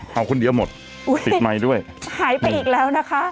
เอาคนเดียวหมดอุ้ยติดไมค์ด้วยหายไปอีกแล้วนะคะ